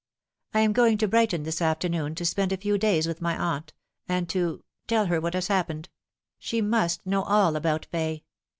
' I am going to Brighton this afternoon, to spend a few days with my aunt, and to tell her what has happened. She must know all about Fay.